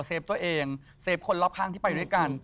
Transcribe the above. เฟฟตัวเองเซฟคนรอบข้างที่ไปด้วยกัน